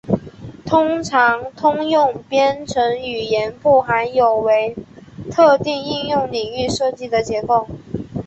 通常通用编程语言不含有为特定应用领域设计的结构。